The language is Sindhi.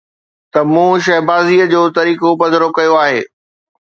ته مون شهبازيءَ جو طريقو پڌرو ڪيو آهي